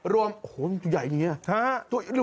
รวมโอ้โฮใหญ่อย่างนี้